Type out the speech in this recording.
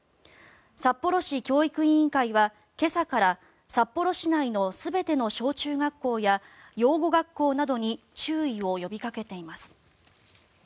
札幌市教育委員会は今朝から札幌市内の全ての小中学校や養護学校などに注意を呼びかけています。